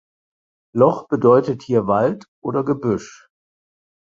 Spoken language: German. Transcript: Loch bedeutet hier Wald oder Gebüsch.